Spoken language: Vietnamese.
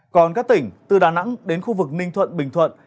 còn các tỉnh từ đà nẵng đến khu vực ninh thuận bình thuận